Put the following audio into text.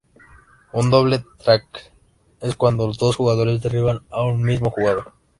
Un "doble tackle" es cuando dos jugadores derriban a un mismo jugador.